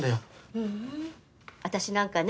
ふん私なんかね